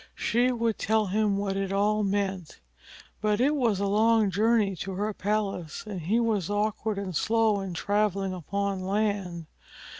She would tell him what it all meant. But it was a long journey to her palace and he was awkward and slow in traveling upon land.